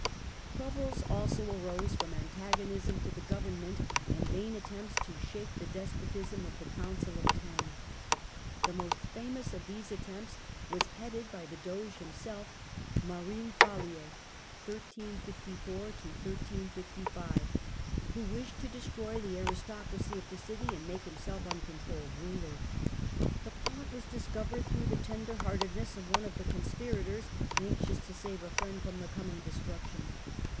Troubles also arose from antagonism to the govern ment, and vain attempts to shake the despotism of the Council of Ten. The most famous of these attempts Conspiracy was headed by the Doge himself, Marin Faher, who FaUer'"^" wished to dcstroy the aristocracy of the city and make 1354 55 himself uncontrolled ruler. The plot was discovered through the tenderhearted ness of one of the conspirators, anxious to save a friend from the coming destruction.